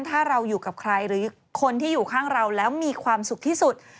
ถ้าเราอยู่กับใครหรือคนที่อยู่ข้างเราแล้วมีความสุขที่สุด